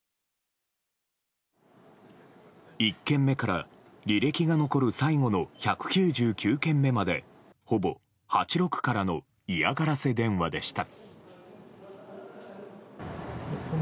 １件目から履歴が残る最後の１９９件目までほぼ８６からの嫌がらせ電話でした。